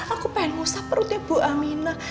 aku pengen ngusap perutnya bu aminah